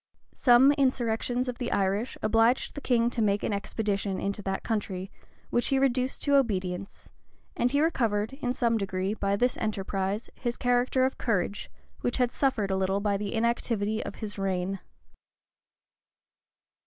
[] Some insurrections of the Irish obliged the king to make an expedition into that country, which he reduced to obedience; and he recovered, in some degree, by this enterprise, his character of courage, which had suffered a little by the inactivity of his reign.